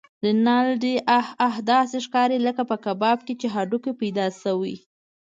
رینالډي: اه اه! داسې ښکارې لکه په کباب کې چې هډوکی پیدا شوی.